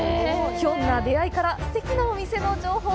ひょんな出会いからすてきなお店の情報。